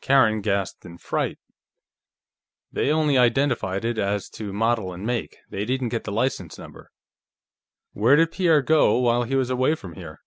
Karen gasped in fright. "They only identified it as to model and make; they didn't get the license number ... Where did Pierre go, while he was away from here?"